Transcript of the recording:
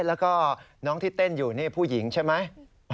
แล้วก็น้องที่เต้นอยู่นี่ผู้หญิงใช่ไหม